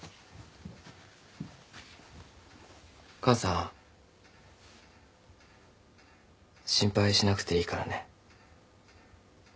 母さん心配しなくていいからね。